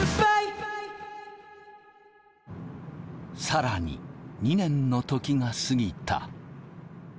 更に２年の時が過ぎた。